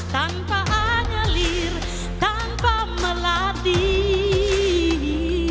tanpa anjelir tanpa melatih